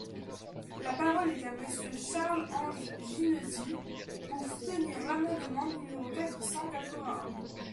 La parole est à Monsieur Charles-Ange Ginesy, pour soutenir l’amendement numéro quatre cent quatre-vingt-un.